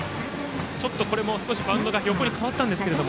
ちょっとこれも少しバウンドが横に変わったんですが。